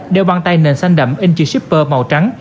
đeo bàn tay nền xanh đậm in chữ shipper màu trắng